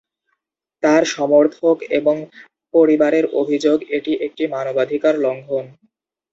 তার সমর্থক এবং পরিবারের অভিযোগ, এটি একটি ‘মানবাধিকার লঙ্ঘন’।